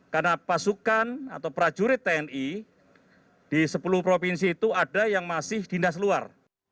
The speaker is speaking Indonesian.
karena pasukan atau prajurit tni di sepuluh provinsi itu ada yang masih di nasi luar